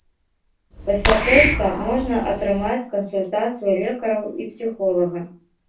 Пасля тэста можна атрымаць кансультацыю лекараў і псіхолага.